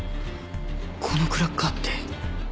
このクラッカーって。